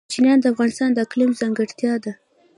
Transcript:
کوچیان د افغانستان د اقلیم ځانګړتیا ده.